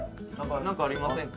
何かありませんか？